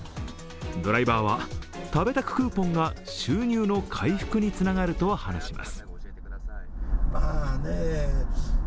ドライバーは食べタククーポンが収入の回復につながると話します。